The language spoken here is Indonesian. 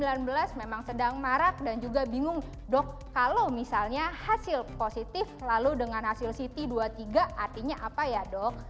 covid sembilan belas memang sedang marak dan juga bingung dok kalau misalnya hasil positif lalu dengan hasil ct dua puluh tiga artinya apa ya dok